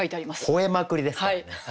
「吠えまくり」ですからね。